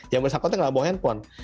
yang bersangkutan tidak bawa handphone